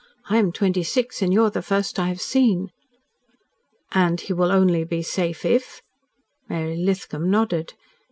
I am twenty six and you are the first I have seen." "And he will only be safe if?" Mary Lithcom nodded.